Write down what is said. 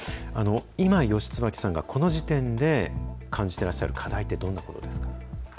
今、吉椿さんがこの時点で感じてらっしゃる課題って、どんなことですか？